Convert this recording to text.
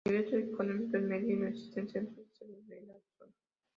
El nivel socioeconómico es medio y no existen centros de salud en la zona.